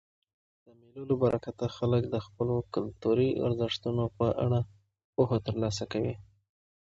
د مېلو له برکته خلک د خپلو کلتوري ارزښتو په اړه پوهه ترلاسه کوي.